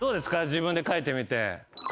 自分で書いてみて。